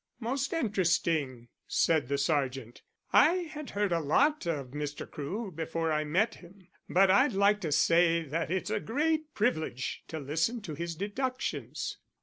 "Most interesting," said the sergeant. "I had heard a lot of Mr. Crewe before I met him, but I'd like to say that it's a great privilege to listen to his deductions."